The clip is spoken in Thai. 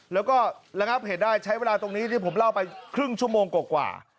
แล้วก็ระงับเหตุได้ใช้เวลาตรงนี้ที่ผมเล่าไปครึ่งชั่วโมงกว่า